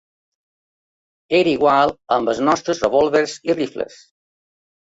Era igual amb els nostres revòlvers i rifles.